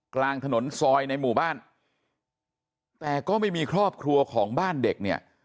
กลางถนนซอยในหมู่บ้านแต่ก็ไม่มีครอบครัวของบ้านเด็กเนี่ย